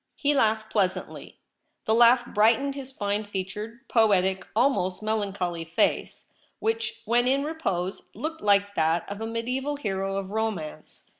He laughed pleasantly. The laugh bright ened his fine featured, poetic, almost melan choly face, which, when in repose, looked like that of a mediaeval hero of romance.